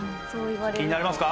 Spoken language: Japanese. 気になりますか？